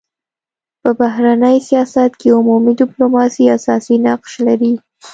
په بهرني سیاست کي عمومي ډيپلوماسي اساسي نقش لري.